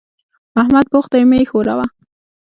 احمد بوخت دی؛ مه يې ښوروه.